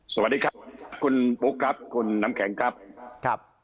สวัสดีครับคุณบุ๊คครับคุณน้ำแข็งครับครับ